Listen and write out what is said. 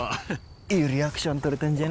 いいリアクション撮れたんじゃね？